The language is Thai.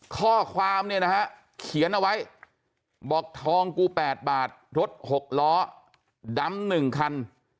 ข้อความเนี่ยนะฮะเขียนเอาไว้บอกทองกู๘บาทรถ๖ล้อดำ๑คัน